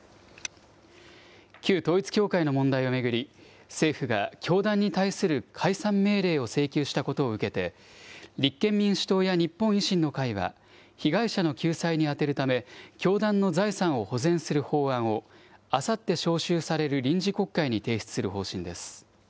旧統一教会の問題を巡り、政府が教団に対する解散命令を請求したことを受けて、立憲民主党や日本維新の会は、被害者の救済に充てるため、教団の財産を保全する法案を、あさって召集される臨時国会に提出する方針です。